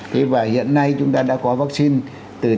thế và hiện nay chúng ta đã có vaccine